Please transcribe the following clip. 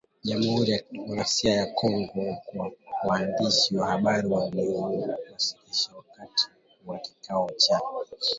jamhuri ya kidemokrasia ya Kongo kwa waandishi wa habari waliwahi kuwasilishwa wakati wa kikao cha